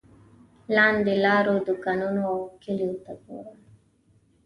لاندې لارو دوکانونو او کلیو ته ګورم.